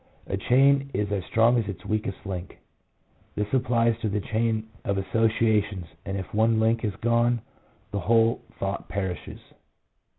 " A chain is as strong as its weakest link"; this applies to the chain of associations, and if one link is gone the whole thought perishes.